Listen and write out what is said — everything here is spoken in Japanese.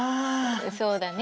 そうだね。